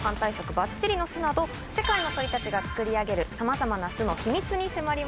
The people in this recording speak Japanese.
の巣など世界の鳥たちが作り上げるさまざまな巣の秘密に迫ります。